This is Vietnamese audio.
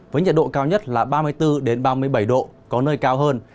với nhiệt độ cao nhất là ba mươi bốn ba mươi bảy độ có nơi cao hơn